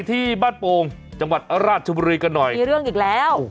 ที่บ้านโป่งจังหวัดราชบุรีกันหน่อยมีเรื่องอีกแล้ว